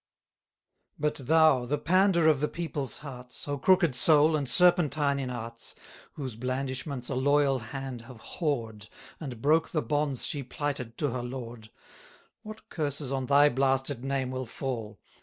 But thou, the pander of the people's hearts, O crooked soul, and serpentine in arts, Whose blandishments a loyal land have whored, And broke the bonds she plighted to her lord; What curses on thy blasted name will fall!